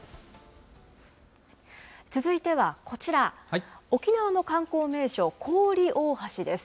続いてはこちら、沖縄の観光名所、古宇利大橋です。